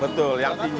betul yang pinjam